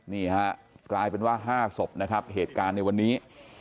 นี่ฮะกลายเป็นว่า๕ศพนะครับเหตุการณ์ในวันนี้